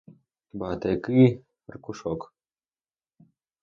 Ба, та який аркушок?